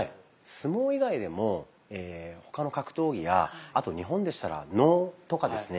相撲以外でも他の格闘技やあと日本でしたら能とかですね